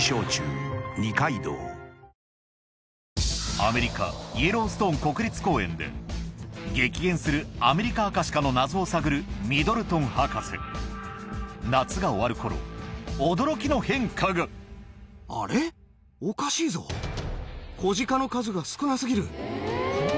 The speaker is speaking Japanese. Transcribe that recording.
アメリカイエローストーン国立公園で激減するアメリカアカシカの謎を探るミドルトン博士夏が終わる頃驚きの変化がなんと一体何なのか？と考えています。